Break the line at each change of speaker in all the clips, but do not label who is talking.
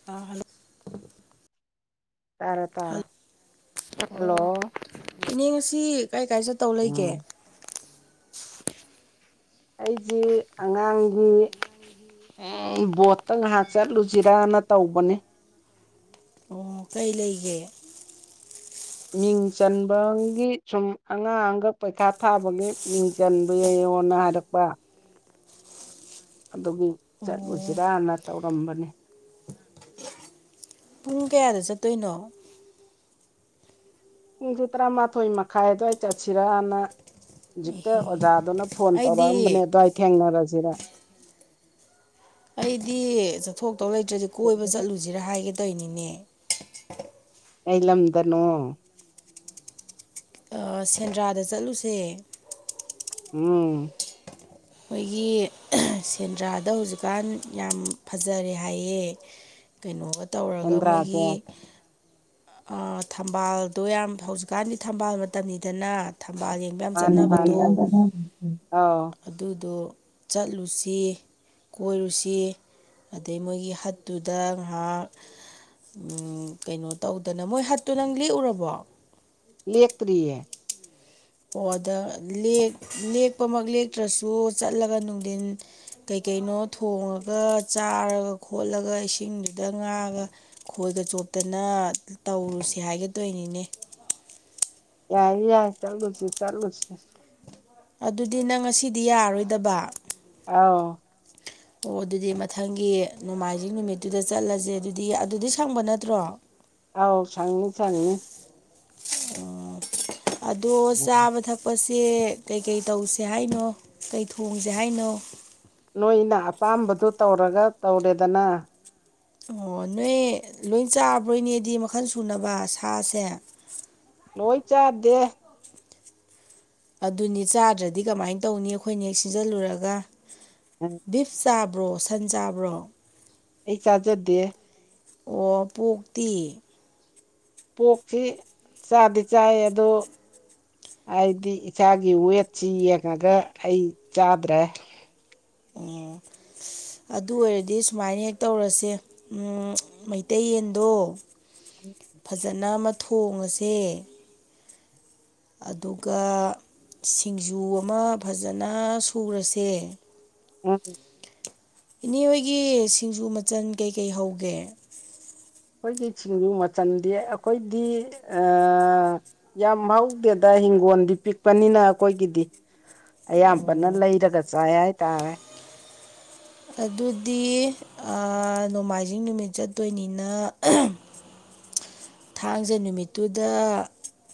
[unintelligible]
ꯇꯥꯔꯦ
ꯍꯜ
ꯇꯥꯔꯦ ꯍꯜꯂꯣ
ꯑꯣ ꯏꯅꯦ ꯉꯁꯤ ꯀꯥꯏ ꯀꯥꯏ ꯆꯠꯇꯧ ꯂꯩꯒꯦ꯫
ꯎꯝ ꯑꯩꯖꯤ ꯑꯉꯥꯡꯒꯤ꯫ ꯎ ꯕꯣꯠꯇ ꯉꯥꯏꯍꯥꯛ ꯆꯠꯂꯨꯁꯤꯔꯅ ꯇꯧꯕꯅꯦ꯫
ꯑꯣ ꯀꯩ ꯂꯩꯒꯦ꯫
ꯃꯤꯡ ꯆꯟꯕꯒꯤ ꯁꯨꯝ ꯑꯉꯥꯡꯒ ꯄꯩꯈꯥ ꯊꯥꯕꯒꯤ ꯃꯤꯡ꯫ ꯆꯟꯕ ꯌꯥꯏꯡꯉꯣꯟꯅ ꯍꯥꯏꯔꯛꯄ ꯑꯗꯨꯒꯤ
ꯑꯣ
ꯆꯠꯂꯨꯁꯤꯔꯅ ꯇꯧꯔꯝꯕꯅꯤ꯫
ꯄꯨꯡ ꯀꯌꯥꯗ ꯆꯠꯇꯣꯏꯅꯣ
ꯄꯨꯡꯁ ꯇꯔꯥꯃꯥꯊꯣꯏ ꯃꯈꯥꯏ ꯑꯗꯨꯗ꯭ꯋꯥꯏ ꯆꯠꯁꯤꯔꯅ ꯍꯧꯖꯤꯛꯇ
ꯑꯦꯍꯦ
ꯑꯣꯖꯥꯗꯨꯅ ꯐꯣꯟ
ꯑꯩꯗꯤ
ꯇꯧꯔꯛꯑꯝꯕꯅꯦ ꯑꯗꯨꯋꯥꯏ ꯊꯦꯡꯅꯔꯁꯤꯔ
ꯑꯩꯗꯤ ꯆꯠꯊꯣꯛꯇꯧ ꯂꯩꯇ꯭ꯔꯗꯤ ꯀꯣꯏꯕ ꯆꯠꯂꯨꯁꯤꯔꯥ ꯍꯥꯏꯒꯦꯗꯣꯏꯅꯤꯅꯦ꯫
ꯑꯩ ꯂꯝꯗꯅꯣ
ꯁꯦꯟꯗ꯭ꯔꯥꯗ ꯆꯠꯂꯨꯁꯦ꯫
ꯎꯝ
ꯑꯩꯈꯣꯏꯒꯤ ꯁꯦꯟꯗ꯭ꯔꯥꯗ ꯍꯧꯖꯤꯛꯀꯥꯟ ꯌꯥꯝ ꯐꯖꯔꯦ ꯍꯥꯏꯌꯦ ꯀꯩꯅꯣꯒ ꯇꯧꯔꯒ
ꯁꯦꯟꯗ꯭ꯔꯥꯁꯦ
ꯃꯣꯏꯒꯤ ꯊꯝꯕꯥꯜꯗꯣ ꯌꯥꯝ ꯍꯧꯖꯤꯛꯀꯥꯟꯗꯤ ꯊꯝꯕꯥꯜ ꯃꯇꯝꯅꯤꯗꯅ ꯊꯝꯕꯥꯜ ꯌꯦꯡ
ꯃꯥꯅꯤ ꯃꯥꯅꯤ ꯑꯥꯎ
ꯑꯗꯨꯗꯣ ꯆꯠꯂꯨꯁꯤ ꯀꯣꯏꯔꯨꯁꯤ ꯑꯗꯩ ꯃꯣꯏꯒꯤ ꯍꯠꯇꯨꯗ ꯉꯥꯏꯍꯥꯛ ꯎꯝ ꯀꯩꯅꯣ ꯇꯧꯗꯅ ꯃꯣꯏ ꯍꯠꯇꯨ ꯅꯪ ꯂꯦꯛꯎꯔꯕꯣ
ꯂꯦꯛꯇꯔꯤꯌꯦ
ꯑꯣ ꯑꯗꯥ ꯂꯦꯛ ꯂꯦꯛꯄꯃꯛ ꯂꯦꯛꯇ꯭ꯔꯁꯨ ꯆꯠꯂꯒ ꯅꯨꯡꯗꯤꯟ ꯀꯩꯀꯩꯅꯣ ꯊꯣꯡꯉꯒ ꯆꯥꯔꯒ ꯈꯣꯠꯂꯒ ꯏꯁꯤꯡꯗꯨꯗ ꯉꯥꯒ ꯈꯣꯏꯒ ꯆꯣꯞꯇꯅ ꯇꯧꯔꯨꯁꯦ ꯍꯥꯏꯒꯦ ꯇꯧꯏꯅꯤꯅꯦ
ꯌꯥꯏ ꯌꯥꯏ ꯆꯂꯨꯁꯤ ꯆꯂꯨꯁꯤ
ꯑꯗꯨꯗꯤ ꯅꯪ ꯉꯁꯤꯗꯤ ꯌꯥꯔꯣꯏꯗꯕ
ꯑꯥꯎ
ꯑꯣ ꯑꯗꯨꯗꯤ ꯃꯊꯪꯒꯤ ꯅꯣꯡꯃꯥꯏꯖꯤꯡ ꯅꯨꯃꯤꯠꯇꯨꯗ ꯆꯠꯂꯁꯦ ꯑꯗꯨꯗꯤ ꯑꯗꯨꯗꯤ ꯁꯪꯕ ꯅꯠꯇ꯭ꯔꯣ [unintelligible]
ꯑꯥꯎ ꯁꯪꯅꯤ ꯁꯪꯅꯤ
ꯑꯣ ꯑꯗꯣ ꯆꯥꯕ ꯊꯛ ꯄꯥꯁꯦ ꯀꯩꯀꯩ ꯇꯧꯁꯦ ꯍꯥꯏꯅꯣ ꯀꯩ ꯊꯣꯡꯖꯦ ꯍꯥꯏꯅꯣ
ꯅꯣꯏꯅ ꯑꯄꯥꯝꯕꯗꯣ ꯇꯧꯔꯒ ꯇꯧꯔꯦꯗꯅ
ꯑꯣ ꯅꯣꯏ ꯂꯣꯏ ꯆꯥꯕ꯭ꯔꯣ ꯏꯅꯦꯗꯤ ꯃꯈꯜ ꯁꯨꯅꯕ ꯁꯥꯁꯦ
ꯂꯣꯏ ꯆꯥꯗꯦ
ꯑꯗꯨꯅꯤ ꯆꯥꯗ꯭ꯔꯗꯤ ꯀꯃꯥꯏꯟ ꯇꯧꯅꯤ ꯑꯩꯈꯣꯏꯅ ꯍꯦꯛ ꯁꯤꯖꯜꯂꯨꯔꯒ
ꯎꯝ
ꯕꯤꯐ ꯆꯥꯕ꯭ꯔꯣ ꯁꯟ ꯆꯥꯕ꯭ꯔꯣ
ꯑꯩ ꯆꯥꯖꯗꯦ
ꯑꯣ ꯄꯣꯛꯇꯤ
ꯄꯣꯛꯁꯤ ꯆꯥꯗꯤ ꯆꯥꯏ ꯑꯗꯣ ꯍꯥꯏꯗꯤ ꯏꯁꯥꯒꯤ ꯋꯦꯠꯁꯤ ꯌꯦꯡꯉꯒ ꯑꯩ ꯆꯥꯗ꯭ꯔꯦ
ꯑꯣ ꯑꯗꯨ ꯑꯣꯏꯔꯗꯤ ꯁꯨꯃꯥꯏꯅ ꯍꯦꯛ ꯇꯧꯔꯁꯦ ꯎꯝ ꯃꯩꯇꯩ ꯌꯦꯟꯗꯣ ꯐꯖꯅ ꯑꯃ ꯊꯣꯡꯉꯁꯦ ꯑꯗꯨꯒ ꯁꯤꯡꯖꯨ ꯑꯃ ꯐꯖꯅ ꯁꯨꯔꯁꯦ
ꯎꯝ
ꯏꯅꯦ ꯍꯣꯏꯒꯤ ꯁꯤꯡꯖꯨ ꯃꯆꯟ ꯀꯩꯀꯩ ꯍꯧꯒꯦ
ꯑꯈꯣꯏꯒꯤ ꯁꯤꯡꯖꯨ ꯃꯆꯟꯗꯤ ꯑꯈꯣꯏꯗꯤ ꯑꯥ ꯌꯥꯝ ꯍꯧꯗꯦꯗ ꯍꯤꯡꯒꯣꯜꯗꯤ ꯄꯤꯛꯄꯅꯤꯅ ꯑꯩꯈꯣꯏꯒꯤꯗꯤ ꯑꯌꯥꯝꯕꯅ
ꯑꯣ
ꯂꯩꯔꯒ ꯆꯥꯏ ꯍꯥꯏꯇꯥꯔꯦ
ꯑꯗꯨꯗꯤ ꯑꯥ ꯅꯣꯡꯃꯥꯏꯖꯤꯡ ꯅꯨꯃꯤꯠ ꯆꯠꯇꯣꯏꯅꯤꯅ [inaudible] ꯊꯥꯡꯖ ꯅꯨꯃꯤꯠꯇꯨꯗ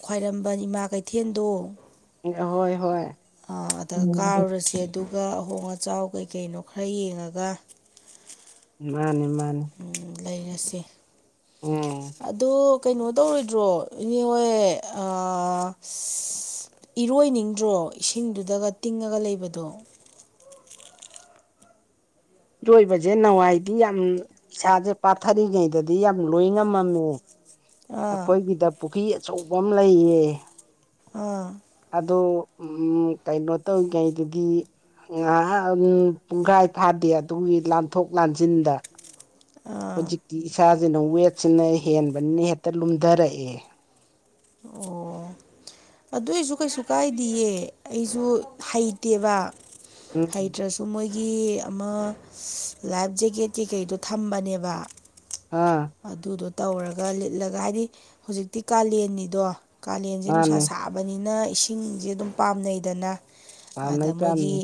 ꯈ꯭ꯋꯥꯏꯔꯝꯕꯟ ꯏꯃꯥ ꯀꯩꯊꯦꯟꯗꯣ
ꯍꯣꯏ ꯍꯣꯏ
ꯑꯗ
ꯎꯝ
ꯀꯥꯔꯨꯔꯁꯦ ꯑꯗꯨꯒ ꯑꯍꯣꯡ ꯑꯆꯥꯎ ꯀꯩꯀꯩꯅꯣ ꯈꯔ ꯌꯦꯡꯉꯒ
ꯃꯥꯅꯤ ꯃꯥꯅꯤ
ꯂꯩꯔꯁꯤ
ꯎꯝ
ꯑꯗꯣ ꯀꯩꯅꯣ ꯇꯧꯔꯣꯏꯗ꯭ꯔꯣ ꯏꯅꯦ ꯍꯣꯏ ꯑꯥ ꯏꯔꯣꯏꯅꯤꯡꯗ꯭ꯔꯣ ꯏꯁꯤꯡꯗꯨꯗꯒ ꯇꯤꯡꯉꯒ ꯂꯩꯕꯗꯣ
ꯏꯔꯣꯏꯕꯖꯦ ꯅꯋꯥꯏꯗꯤ ꯌꯥꯝ ꯏꯁꯥꯁꯦ ꯄꯥꯊꯥꯔꯤ ꯉꯩꯗꯗꯤ ꯌꯥꯝ ꯂꯣꯏ ꯉꯝꯃꯝꯃꯦ
ꯑꯥ
ꯑꯈꯣꯏꯒꯤꯗ ꯄꯨꯈꯤ ꯑꯆꯧꯕ ꯑꯃ ꯂꯩꯌꯦ
ꯑꯥ
ꯑꯗꯣ ꯎꯝ ꯀꯩꯅꯣ ꯇꯧꯉꯩꯗꯗꯤ ꯉꯍꯥꯛ ꯄꯨꯡꯈꯥꯏ ꯐꯥꯗꯦ ꯑꯗꯨꯒꯤ ꯂꯥꯟꯊꯣꯛ ꯂꯥꯟꯁꯤꯟꯗ ꯍꯧꯖꯤꯛꯇꯤ ꯏꯁꯥꯁꯤꯅ ꯋꯦꯠꯁꯤꯅ ꯍꯦꯟꯕꯅꯤꯅ ꯍꯦꯛꯇ ꯂꯨꯝꯊꯔꯛꯑꯦ
ꯑꯣ ꯑꯗꯨꯏꯁꯨ ꯀꯩꯁꯨ ꯀꯥꯏꯗꯌꯦ ꯑꯩꯁꯨ ꯍꯩꯇꯦꯕ
ꯎꯝ
ꯍꯩꯇ꯭ꯔꯁꯨ ꯃꯣꯏꯒꯤ ꯑꯃ ꯂꯥꯏꯐ ꯖꯦꯛꯀꯦꯠ ꯀꯩꯀꯩꯗꯣ ꯊꯝꯕꯅꯦꯕ
ꯑꯥ
ꯑꯗꯨꯗꯣ ꯇꯧꯔꯒ ꯂꯤꯠꯂꯒ ꯍꯥꯏꯗꯤ ꯍꯧꯖꯤꯛꯇꯤ ꯀꯥꯂꯦꯟꯅꯤꯗꯣ ꯀꯥꯂꯦꯟꯁꯦ ꯅꯨꯡꯁꯥ
ꯃꯥꯅꯦ
ꯁꯥꯕ ꯐꯥꯕꯅꯤꯅ ꯏꯁꯤꯡꯁꯦ ꯑꯗꯨꯝ ꯄꯥꯝꯅꯩꯗꯅ ꯑꯗ
ꯄꯥꯝꯅꯩ
ꯃꯣꯏꯒꯤ
ꯄꯥꯝꯅꯩ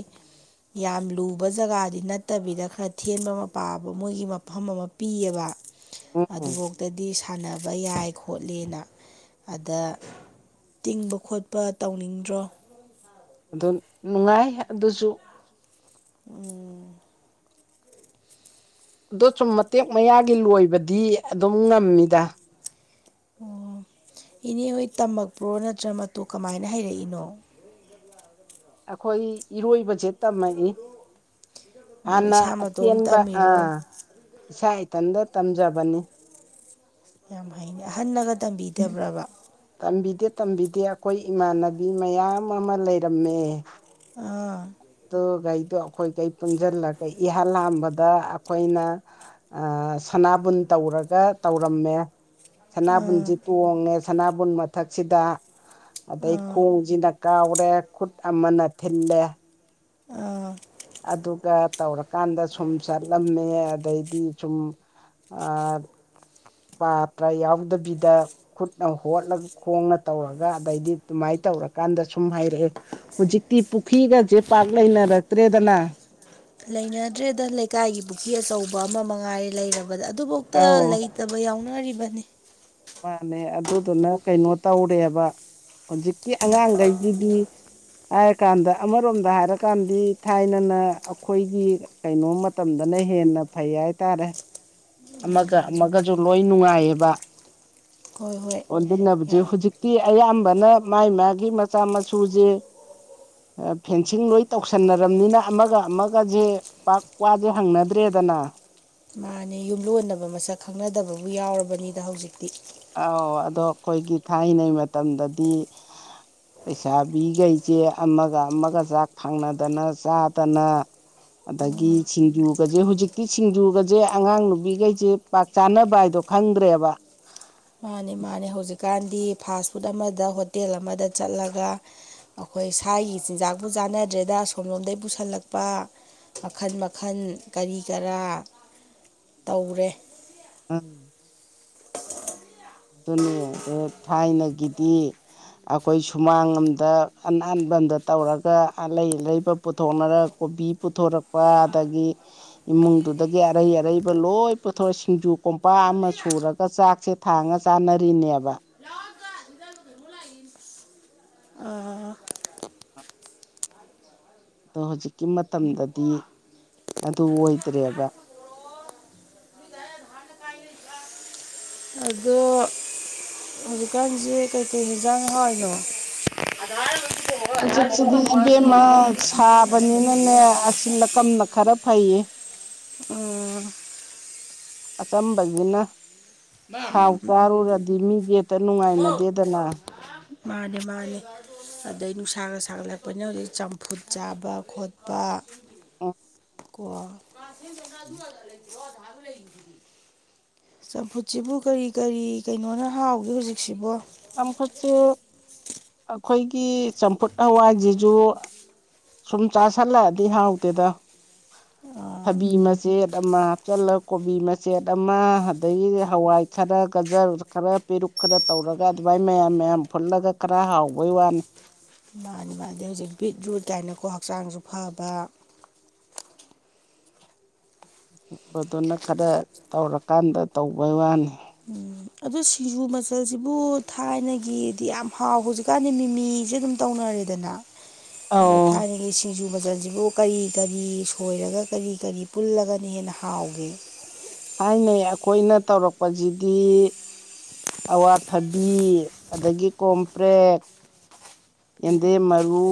ꯌꯥꯝ ꯂꯨꯕ ꯖꯒꯥꯗꯤ ꯅꯠꯇꯕꯤꯗ ꯈꯔ ꯊꯦꯟꯕ ꯃꯄꯥꯕ ꯃꯣꯏꯒꯤ ꯃꯐꯝ ꯑꯃ ꯄꯤꯌꯦꯕ
ꯎꯝ
ꯑꯗꯨꯐꯧꯇꯗꯤ ꯁꯥꯟꯅꯕ ꯌꯥꯏ ꯈꯣꯠꯂꯦꯅ ꯑꯗ ꯇꯤꯡꯕ ꯈꯣꯠꯄ ꯇꯧꯅꯤꯡꯗ꯭ꯔꯣ
ꯑꯗꯨꯝ ꯅꯨꯡꯉꯥꯏ ꯑꯗꯨꯁꯨ
ꯎꯝ
ꯑꯗꯣ ꯆꯨꯝ ꯃꯇꯦꯛ ꯃꯌꯥꯒꯤ ꯂꯣꯏꯕꯗꯤ ꯑꯗꯨꯝ ꯉꯝꯃꯤꯗ
ꯑꯣ ꯏꯅꯦ ꯍꯣꯏ ꯇꯝꯃꯛꯄ꯭ꯔꯣ ꯅꯠꯇ꯭ꯔ ꯃꯇꯨ ꯀꯃꯥꯏꯅ ꯍꯩꯔꯛꯏꯅꯣ
ꯑꯈꯣꯏ ꯏꯔꯣꯏꯕ ꯖꯦꯠ ꯇꯝꯃꯛꯏ
ꯑꯣ
ꯍꯥꯟꯅ
ꯏꯁꯥ ꯃꯇꯣꯝ
ꯑꯊꯦꯟꯕ
ꯇꯝꯃꯤꯔꯣ
ꯑꯥ ꯏꯁꯥ ꯏꯊꯟꯇ ꯇꯝꯖꯕꯅꯤ
ꯌꯥꯝ ꯍꯩꯅꯦ ꯑꯍꯟꯅꯒ ꯇꯝꯕꯤꯗꯕ꯭ꯔꯕ
ꯇꯝꯕꯤꯗꯦ ꯇꯝꯕꯤꯗꯦ ꯑꯩꯈꯣꯏ ꯏꯃꯥꯟꯅꯕꯤ ꯃꯌꯥꯝ ꯑꯃ ꯂꯩꯔꯝꯃꯦ
ꯑꯥ
ꯑꯗꯨꯈꯩꯗꯣ ꯑꯩꯈꯣꯏꯈꯩ ꯄꯨꯟꯁꯤꯜꯂꯒ ꯏꯍꯥꯟ ꯍꯥꯟꯕꯗ ꯑꯩꯈꯣꯏꯅ ꯁꯅꯥꯕꯨꯟ ꯇꯧꯔꯒ ꯇꯧꯔꯝꯃꯦ ꯁꯅꯥꯕꯨꯟꯁꯤ ꯇꯣꯡꯉꯦ ꯁꯅꯥꯕꯨꯟ ꯃꯊꯛꯁꯤꯗ ꯑꯗꯩ
ꯑꯥ
ꯈꯣꯡꯁꯤꯅ ꯀꯥꯎꯔꯦ ꯈꯨꯠ ꯑꯃꯅ ꯊꯤꯜꯂꯦ
ꯑꯥ
ꯑꯗꯨꯒ ꯇꯧꯔꯀꯥꯟꯗ ꯁꯨꯝ ꯆꯠꯂꯝꯃꯦ ꯑꯗꯩꯗꯤ ꯁꯨꯝ ꯄꯥꯇ꯭ꯔꯥ ꯌꯥꯎꯗꯕꯤꯗ ꯈꯨꯠꯅ ꯍꯣꯠꯂꯒ ꯈꯣꯡꯅ ꯇꯧꯔꯒ ꯑꯗꯩꯗꯤ ꯑꯗꯨꯃꯥꯏꯅ ꯇꯧꯔꯀꯥꯟꯗ ꯁꯨꯝ ꯍꯩꯔꯛꯑꯦ ꯍꯧꯖꯤꯛꯇꯤ ꯄꯨꯈ꯭ꯔꯤꯒꯁꯦ ꯄꯥꯛ ꯂꯩꯅꯔꯛꯇ꯭ꯔꯦꯗꯅ
ꯂꯩꯅꯗ꯭ꯔꯦꯗ ꯂꯩꯀꯥꯏꯒꯤ ꯄꯨꯈ꯭ ꯑꯆꯧꯕ ꯑꯃ ꯃꯉꯥꯏꯔꯦ ꯂꯩꯔꯕꯗ ꯑꯗꯨꯐꯥꯎꯗ
ꯑꯥꯎ
ꯂꯩ ꯇꯕ ꯌꯥꯎꯅꯔꯤꯕꯅꯤ
ꯃꯥꯅꯦ ꯑꯗꯨꯗꯨꯅ ꯀꯩꯅꯣ ꯇꯧꯔꯦꯕ ꯍꯧꯖꯤꯛꯀꯤ ꯑꯉꯥꯡꯒꯩꯒꯤꯗꯤ ꯍꯥꯏꯔ ꯀꯥꯟꯗ ꯑꯃꯔꯣꯝꯗ ꯍꯥꯏꯔꯀꯥꯟꯗꯤ ꯊꯥꯏꯅꯅ ꯑꯩꯈꯣꯏꯒꯤ ꯀꯩꯅꯣ ꯃꯇꯝꯗꯅ ꯍꯦꯟꯅ ꯐꯩ ꯍꯥꯏꯇꯥꯔꯦ ꯑꯃꯒ ꯑꯃꯒꯁꯨ ꯂꯣꯏ ꯅꯨꯡꯉꯥꯏꯌꯦꯕ
ꯍꯣꯏ ꯍꯣꯏ
ꯑꯣꯟꯗꯨꯟꯅꯕꯖꯦ
ꯌꯥꯝ
ꯍꯧꯖꯤꯛꯇꯤ ꯑꯌꯥꯝꯕꯅ ꯃꯥꯏ ꯃꯥꯒꯤ ꯃꯆꯥ ꯃꯁꯨꯖꯦ ꯑ ꯐꯦꯟꯁꯤꯡ ꯂꯣꯏ ꯇꯧꯁꯟꯅꯔꯝꯅꯤꯅ ꯑꯃꯒ ꯑꯃꯒꯁꯦ ꯄꯥꯛ ꯋꯥꯁꯦ ꯍꯪꯅꯗ꯭ꯔꯦꯗꯅ
ꯃꯥꯅꯦ ꯌꯨꯝꯂꯣꯟꯅꯕ ꯃꯁꯛ ꯈꯪꯅꯗꯕꯕꯨ ꯌꯥꯎꯔꯕꯅꯤꯗ ꯍꯧꯖꯤꯛꯇꯤ
ꯑꯧ ꯑꯗꯣ ꯑꯈꯣꯏꯒꯤ ꯊꯥꯏꯅꯒꯤ ꯃꯇꯝꯗꯗꯤ
ꯍ
ꯂꯩꯁꯥꯕꯤꯈꯩꯁꯦ ꯑꯃꯒ ꯑꯃꯒ ꯆꯥꯛ ꯐꯪꯅꯗꯅ ꯆꯥꯗꯅ ꯑꯗꯒꯤ ꯁꯤꯡꯖꯨꯒꯁꯦ ꯍꯧꯖꯤꯛꯇꯤ ꯁꯤꯡꯖꯨꯒꯁꯦ ꯑꯉꯥꯡ ꯅꯨꯕꯤꯒꯩꯁꯦ ꯄꯥꯛ ꯆꯥꯅꯕ ꯍꯥꯏꯗꯣ ꯈꯪꯗ꯭ꯔꯦꯕ
ꯃꯥꯅꯦ ꯃꯥꯅꯦ ꯍꯧꯖꯤꯛꯀꯥꯟꯗꯤ ꯐꯥꯁ ꯐꯨꯗ ꯑꯃꯗ ꯍꯣꯇꯦꯜ ꯑꯃꯗ ꯆꯠꯂꯒ ꯑꯈꯣꯏ ꯁꯥꯏꯒꯤ ꯆꯤꯟꯖꯥꯛꯄꯨ ꯆꯥꯅꯗ꯭ꯔꯦꯗ ꯑꯁꯣꯝꯂꯣꯝꯗꯒꯤ ꯄꯨꯁꯜꯂꯛꯄ ꯃꯈꯟ ꯃꯈꯟ ꯀꯔꯤ ꯀꯔꯥ ꯇꯧꯔꯦ
ꯑꯥꯝ ꯑꯗꯨꯅꯤ ꯑꯗ ꯊꯥꯏꯅꯒꯤꯗꯤ ꯑꯈꯣꯏ ꯁꯨꯃꯥꯡ ꯑꯃꯗ ꯑꯅꯥꯟꯕꯝꯗ ꯇꯧꯔꯒ ꯑꯂꯩ ꯑꯔꯩꯕ ꯄꯨꯊꯣꯛꯅꯔꯛ ꯀꯣꯕꯤ ꯄꯨꯊꯣꯔꯛꯄ ꯑꯗꯒꯤ ꯏꯃꯨꯡꯗꯨꯗꯒꯤ ꯑꯔꯩ ꯑꯔꯩꯕ ꯂꯣꯏ ꯄꯨꯊꯣꯔꯦ ꯁꯤꯡꯖꯨ ꯀꯣꯝꯄꯥ ꯑꯃ ꯁꯨꯔꯒ ꯆꯥꯛꯁꯦ ꯊꯥꯡꯉ ꯆꯥꯟꯅꯔꯤꯅꯦꯕ
ꯑꯥ
ꯑꯗꯣ ꯍꯧꯖꯤꯛꯀꯤ ꯃꯇꯝꯗꯗꯤ ꯑꯗꯨ ꯑꯣꯏꯗ꯭ꯔꯦꯕ
ꯑꯗꯣ ꯍꯧꯖꯤꯛꯀꯥꯟꯁꯦ ꯀꯩꯀꯩ ꯌꯦꯟꯖꯥꯡ ꯍꯥꯎꯋꯤꯅꯣ
ꯍꯧꯖꯤꯛꯁꯤꯗꯤ ꯏꯕꯦꯝꯃ ꯁꯥꯕꯅꯤꯅꯅꯦ ꯑꯁꯤꯜꯂꯀꯅ ꯈꯔ ꯐꯩꯌꯦ
ꯑꯣ
ꯑꯆꯝꯕꯖꯤꯅ ꯊꯥꯎ ꯆꯥꯔꯨꯔꯗꯤ ꯃꯤꯖꯦ ꯍꯦꯛꯇ ꯅꯨꯡꯉꯥꯏꯅꯗꯦꯗꯅ
ꯃꯥꯅꯦ ꯃꯥꯅꯦ ꯑꯗꯩ ꯅꯨꯡꯁꯥꯒ ꯁꯥꯒꯠꯂꯛꯄꯅꯤꯅ ꯍꯧꯖꯤꯛ ꯆꯝꯐꯨꯠ ꯆꯥꯕ ꯈꯣꯠꯄ
ꯎꯝ
ꯇꯀꯣ
[inaudible]
ꯂꯩꯣ ꯊꯒ ꯂꯩꯗꯤ ꯆꯝꯐꯨꯠꯁꯤꯕꯨ ꯀꯔꯤ ꯀꯔꯤ ꯀꯩꯅꯣꯅ ꯍꯥꯎꯒꯦ ꯍꯧꯖꯤꯛꯁꯤꯕꯣ
ꯆꯝꯐꯨꯠꯁꯦ ꯑꯩꯈꯣꯏꯒꯤ ꯆꯝꯐꯨꯠ ꯍꯋꯥꯏꯁꯤꯁꯨ ꯁꯨꯝ ꯆꯥꯥꯁꯜꯂꯛꯑꯗꯤ ꯍꯥꯎꯇꯦꯗ
ꯑꯥ
ꯐꯕꯤ ꯃꯆꯦꯠ ꯑꯃ ꯍꯥꯞꯆꯤꯜꯂ ꯀꯣꯕꯤ ꯃꯆꯦꯠ ꯑꯃ ꯑꯗꯒꯤ ꯍꯋꯥꯏ ꯈꯔ ꯒꯖꯔ ꯈꯔ ꯄꯦꯔꯨꯛ ꯈꯔ ꯇꯧꯔꯒ ꯑꯗꯨꯃꯥꯏꯅ ꯃꯌꯥꯝ ꯃꯌꯥꯝ ꯐꯨꯜꯂꯒ ꯈꯔ ꯍꯥꯎꯕꯩ ꯋꯥꯅꯤ
ꯃꯥꯅꯤꯃ ꯑꯗꯩ ꯍꯧꯖꯤꯛ ꯕꯤꯠ ꯔꯨꯠ ꯀꯥꯏꯅꯀꯣ ꯍꯛꯆꯥꯡꯁꯨ ꯐꯕ
ꯕꯗꯨꯅ ꯈꯔ ꯇꯧꯔꯀꯥꯟꯗ ꯇꯧꯕꯩ ꯋꯥꯅꯤ
ꯑꯗꯨ ꯁꯤꯡꯖꯨ ꯃꯆꯜꯁꯤꯕꯨ ꯊꯥꯏꯅꯒꯤꯗꯤ ꯌꯥꯝ ꯍꯥꯎ ꯍꯧꯖꯤꯛꯀꯥꯟꯗꯤ ꯃꯤꯃꯤꯁꯦ ꯑꯗꯨꯝ ꯇꯧꯅꯔꯦꯗꯅ ꯑꯗꯣ
ꯑꯧ
ꯊꯥꯏꯅꯒꯤ ꯁꯤꯡꯖꯨ ꯕꯖꯜꯁꯤꯕꯨ ꯀꯔꯤ ꯀꯔꯤ ꯁꯣꯏꯔꯒ ꯀꯔꯤ ꯀꯔꯤ ꯄꯨꯜꯂꯒꯅ ꯍꯦꯟꯅ ꯍꯥꯎꯒꯦ
ꯊꯥꯏꯅꯩ ꯑꯩꯈꯣꯏꯅ ꯇꯧꯔꯛꯄꯁꯤꯗꯤ ꯑꯋꯥꯊꯕꯤ ꯑꯗꯒꯤ ꯀꯣꯝꯄ꯭ꯔꯦꯛ ꯌꯦꯟꯗꯦꯝ ꯃꯔꯨ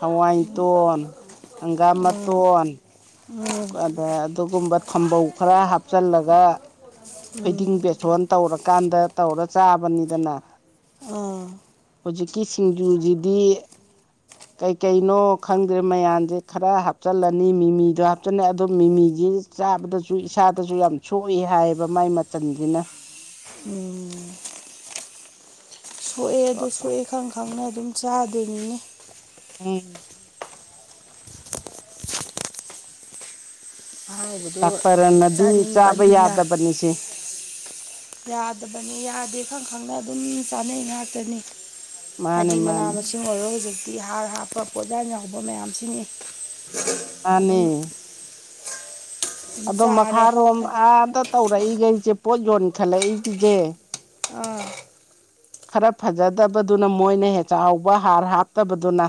ꯍꯋꯥꯏꯇꯣꯟ ꯍꯪꯒꯥꯝ
ꯎꯝ
ꯃꯇꯣꯟ
ꯎꯝ
ꯑꯗ ꯑꯗꯨꯒꯨꯝꯕ ꯊꯝꯕꯧ ꯈꯔ ꯍꯥꯞꯆꯤꯜꯂꯒ ꯐꯩꯗꯤꯡ
ꯎꯝ
ꯄꯦꯠꯁꯣꯟ ꯇꯧꯔꯀꯥꯟꯗ ꯇꯧꯔ ꯆꯥꯕꯅꯤꯗꯅ
ꯑꯥ
ꯍꯧꯖꯤꯛꯀꯤ ꯁꯤꯡꯖꯨꯖꯤꯗꯤ
[unintelligible]
ꯀꯩꯀꯩꯅꯣ ꯈꯪꯗ꯭ꯔꯦ ꯃꯌꯥꯝꯁꯦ ꯈꯔ ꯍꯥꯞꯆꯤꯜꯂꯅꯤ ꯃꯤꯃꯤꯗꯣ ꯍꯥꯞꯆꯜꯅꯤ ꯑꯗꯣ ꯃꯤꯃꯤꯁ ꯆꯥꯕꯗꯁꯨ ꯏꯁꯥꯗꯁꯨ ꯌꯥꯝ ꯁꯣꯛꯏ ꯍꯥꯏꯌꯦꯕ ꯃꯥꯏ ꯃꯆꯟꯁꯤꯅ
ꯎꯝ ꯁꯣꯛꯑꯦ ꯑꯗꯨ ꯁꯣꯛꯑꯦ ꯈꯪ ꯈꯪꯅ ꯑꯗꯨꯝ ꯆꯥꯗꯣꯏꯅꯤꯅꯦ
ꯎꯝ
ꯍꯥꯎ
ꯗꯥꯛꯇꯔꯅꯗꯤ ꯆꯥꯕ ꯌꯥꯗꯕꯅꯤꯁꯦ
ꯌꯥꯗꯕꯅꯤ ꯌꯥꯗꯦ ꯈꯪ ꯈꯪꯅ ꯑꯗꯨꯝ ꯆꯥꯅꯩ ꯉꯥꯛꯇꯅꯤ
ꯃꯥꯅꯦ
ꯍꯥꯏꯗꯤ ꯃꯅꯥ
ꯃꯥꯅꯦ
ꯃꯁꯤꯡ ꯑꯣꯏꯔꯣ ꯍꯧꯖꯤꯛꯇꯤ ꯍꯥꯔ ꯍꯥꯞꯄ ꯄꯣꯠꯌꯥꯟ ꯌꯥꯕ ꯃꯌꯥꯝꯁꯤꯅꯤ ꯑꯗꯨ
ꯃꯥꯅꯦ
ꯑꯗꯨꯝ ꯑꯗꯨꯝ
ꯑꯗꯣ
ꯆꯥꯔꯦ
ꯃꯈꯥꯔꯣꯝ
ꯐꯠ
ꯑꯥꯗ ꯇꯧꯔꯛꯏꯈꯩꯁꯦ ꯄꯣꯠ ꯌꯣꯟꯈꯠꯂꯛꯏꯒꯤꯁꯦ
ꯎꯝ
ꯈꯔ ꯐꯖꯗꯕꯗꯨꯅ ꯃꯣꯏꯅ ꯆꯥꯎꯕ ꯍꯥꯔ ꯍꯥꯞꯇꯕꯗꯨꯅ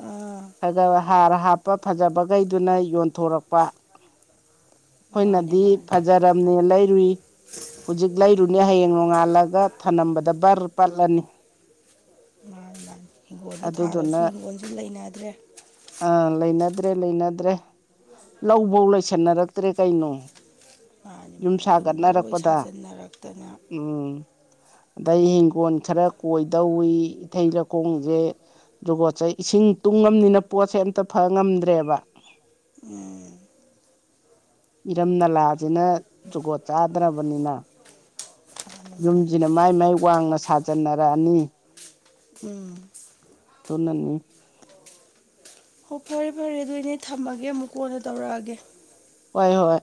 ꯑꯥ
ꯈ ꯍꯥꯔ ꯍꯥꯞꯄ ꯐꯖꯕꯈꯩꯗꯨꯅ ꯌꯣꯟꯊꯣꯔꯛꯄ
ꯃꯥꯅꯦ
ꯑꯩꯈꯣꯏꯅꯗꯤ
ꯃꯥꯅꯦ
ꯐꯖꯔꯝꯅꯦ ꯂꯩꯔꯨꯏ ꯍꯧꯖꯤꯛ ꯂꯩꯔꯨꯅꯦ ꯍꯌꯦꯡ ꯅꯣꯡꯉꯥꯜꯂꯒ ꯊꯂꯝꯝꯕꯗ ꯕꯔ ꯄꯠꯂꯅꯤ
ꯃꯥ ꯃꯥ ꯍꯤꯡꯒꯣꯜꯗ ꯊꯥꯗꯕꯁꯨ
ꯑꯗꯨꯗꯨꯅ
ꯍꯤꯡꯒꯣꯜꯁꯨ ꯂꯩꯅꯗ꯭ꯔꯦ
ꯑꯥ ꯂꯩꯅꯗ꯭ꯔꯦ ꯂꯩꯅꯗ꯭ꯔꯦ ꯂꯧꯐꯧ ꯂꯣꯏꯁꯟꯅꯔꯛꯇ꯭ꯔꯦ ꯀꯩꯅꯣ
ꯃꯥꯅꯦ
ꯌꯨꯝ
ꯃꯥꯅꯦ ꯂꯣꯏ
ꯁꯥꯒꯠꯅꯔꯛꯄꯗ
ꯁꯥꯖꯟꯅꯔꯛꯇꯅ
ꯎꯝ ꯑꯗꯩ ꯍꯤꯡꯒꯣꯜ ꯈꯔ ꯀꯣꯏꯗꯧꯏꯤ ꯏꯊꯩ ꯂꯧꯈꯣꯡꯁꯦ ꯖꯨꯒꯣꯠ ꯆꯩ ꯏꯁꯤꯡ ꯇꯨꯡꯉꯕꯅꯤꯅ ꯄꯣꯠꯁꯦ ꯑꯝꯇ ꯐ ꯉꯝꯗ꯭ꯔꯦꯕ
ꯎꯝ
ꯏꯔꯝ ꯅꯂꯥꯁꯤꯅ ꯖꯨꯒꯣꯠ ꯆꯥꯗ꯭ꯔꯕꯅꯤꯅ
ꯃꯥꯅꯦ ꯃꯥꯅꯦ
ꯌꯨꯝꯖꯤꯅ ꯃꯥꯏ ꯃꯥꯏ ꯋꯥꯡꯅ ꯁꯥꯖꯟꯅꯔꯛꯑꯅꯤ
ꯎꯝ
ꯇꯅꯅꯤ
ꯎꯨ ꯐꯔ ꯐꯔ ꯑꯗꯨꯗꯤ ꯊꯝꯃꯒꯦ ꯑꯃꯨꯛ ꯀꯣꯟꯅ ꯇꯧꯔꯛꯑꯒꯦ
ꯍꯣꯏ ꯍꯣꯏ